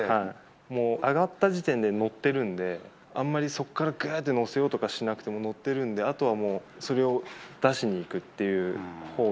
もう上がった時点で乗ってるんで、あんまりそこからぐっと乗せようとかしなくても、乗ってるんで、あとはもう、それを出しにいくっていうほうが。